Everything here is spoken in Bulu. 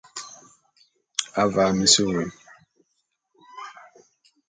Avaa mis wôé.